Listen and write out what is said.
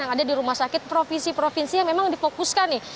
yang ada di rumah sakit provinsi provinsi yang memang difokuskan nih